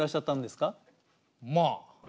まあ！